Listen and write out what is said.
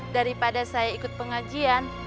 daripada saya ikut pengajian